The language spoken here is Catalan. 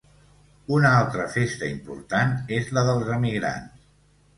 Una altra festa important és la 'dels emigrants'.